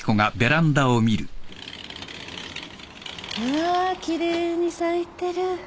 わあ奇麗に咲いてる。